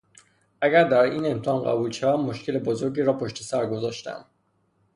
اگر در این امتحان قبول شوم مشکل بزرگی را پشت سر گذاشتهام.